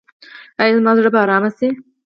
ایا زما زړه به ارام شي؟